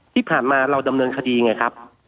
ที่ผ่านมาเราดำเนินคดีไงครับ